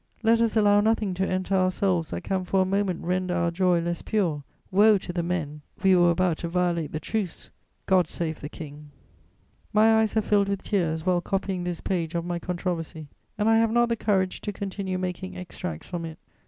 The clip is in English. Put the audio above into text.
Let us allow nothing to enter our souls that can for a moment render our joy less pure! Woe to the men...! We were about to violate the truce! God save the King!" [Sidenote: Article in praise of Charles X.] My eyes have filled with tears while copying this page of my controversy, and I have not the courage to continue making extracts from it.